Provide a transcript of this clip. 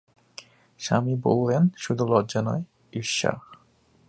স্বামী বললেন, শুধু লজ্জা নয়, ঈর্ষা।